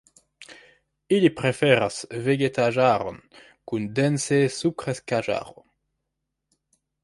Ili preferas vegetaĵaron kun dense subkreskaĵaro.